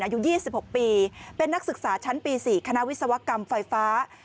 อายุ๒๖ปีเป็นนักศึกษาชั้นปี๔คณะวิศวกรรมไฟฟ้า